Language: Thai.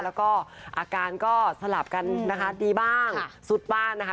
แล้วก็อาการก็สลับกันนะคะดีบ้างสุดบ้างนะคะ